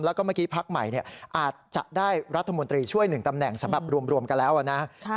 แล้วก็เมื่อกี้พักใหม่อาจจะได้รัฐมนตรีช่วย๑ตำแหน่งสำหรับรวมกันแล้วนะ